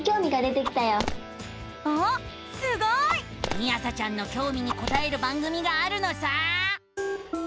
みあさちゃんのきょうみにこたえる番組があるのさ！